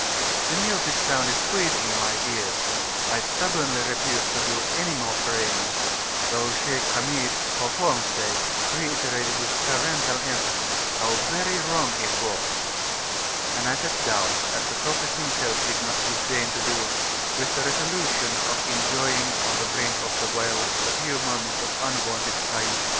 The music sounded sweet in my ears; I stubbornly refused to do any more praying though Shaykh Hamid, for form's sake, reiterated with parental emphasis, "how very wrong it was," and I sat down, as the Prophet himself did not disdain to do, with the resolution of enjoying on the brink of the well a few moments of unwonted "Kayf."